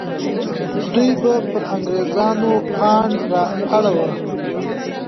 دوی به پر انګریزانو پاڼ را اړوه.